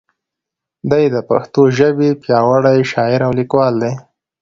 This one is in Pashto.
دی د پښتو ژبې پیاوړی شاعر او لیکوال دی.